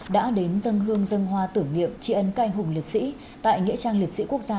đã đến dân hương dân hoa tử nghiệm tri ân canh hùng liệt sĩ tại nghĩa trang liệt sĩ quốc gia